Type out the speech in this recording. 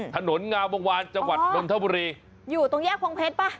ถนนงามวงวานจังหวัดนนทบุรีอยู่ตรงแยกพงเพชรป่ะ